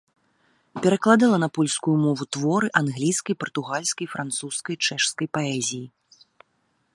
Перакладала на польскую мову творы англійскай, партугальскай, французскай, чэшскай паэзіі.